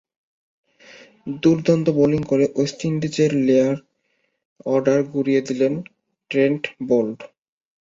দুর্দান্ত বোলিং করে ওয়েস্ট ইন্ডিজের লোয়ার অর্ডার গুঁড়িয়ে দিয়েছেন ট্রেন্ট বোল্ট।